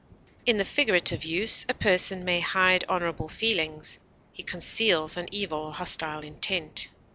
In the figurative use, a person may hide honorable feelings; he conceals an evil or hostile intent.